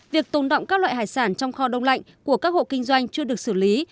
việc tồn động các loại hải sản trong kho đông lạnh của các hộ kinh doanh chưa được xử lý